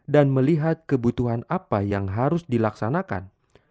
dan melihat kebutuhan apa yang harus dilaksanakan